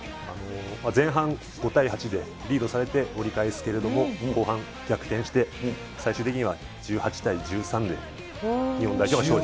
前半５対８でリードされて折り返すけれども、後半逆転して、最終的には１８対１３で、日本代表が勝利。